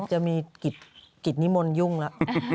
จะมีกริตนีมลยุ่งอ่ะ